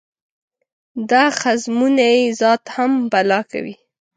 دا ښځمونی ذات هم بلا کوي.